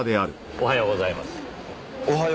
おはようございます。